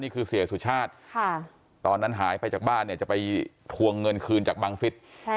เสียสุชาติตอนนั้นหายไปจากบ้านเนี่ยจะไปทวงเงินคืนจากบังฟิศ